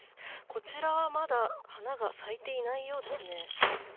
こちらはまだ花が咲いていないようですね。